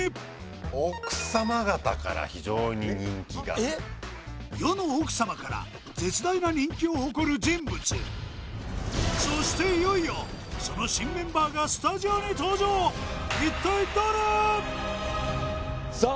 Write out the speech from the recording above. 奥様方から非常に人気が世の奥様から絶大な人気を誇る人物そしていよいよその新メンバーがスタジオに登場さあ